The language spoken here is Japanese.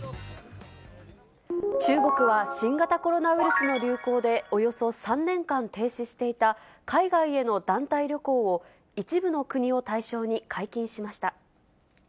中国は新型コロナウイルスの流行で、およそ３年間停止していた海外への団体旅行を、一部の国を対象に解禁しました。